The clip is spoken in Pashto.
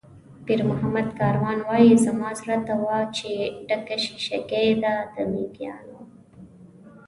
پیرمحمد کاروان وایي: "زما زړه ته وا چې ډکه شیشه ګۍ ده د مېږیانو".